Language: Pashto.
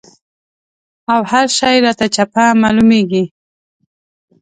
او هر شی راته چپه معلومېږي.